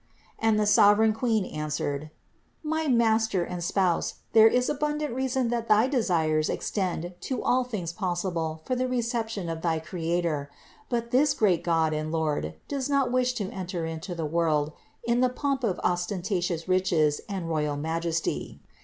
And the sovereign Queen answered : "My mas ter and spouse, there is abundant reason that thy desires extend to all things possible for the reception of thy Creator; but this great God and Lord does not wish to enter into the world in the pomp of ostentatious riches and royal majesty.